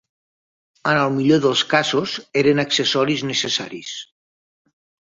En el millor dels casos, eren accessoris necessaris.